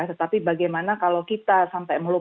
tetapi bagaimana kalau kita berbicara tentang konflik agama